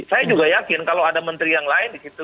saya juga yakin kalau ada menteri yang lain disitu